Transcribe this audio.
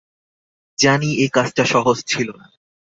জানি এ কাজটা সহজ ছিল না।